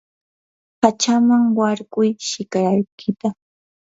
hachaman warkuy shikarkita.